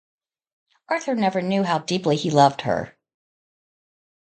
Arthur never knew how deeply he loved her.